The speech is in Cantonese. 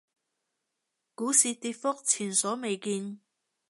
股市跌幅前所未見